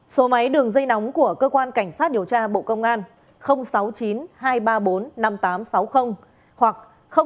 số máy đường dây nóng của cơ quan cảnh sát điều tra bộ công an sáu mươi chín hai trăm ba mươi bốn năm nghìn tám trăm sáu mươi hoặc sáu mươi chín hai trăm ba mươi hai một nghìn sáu trăm bảy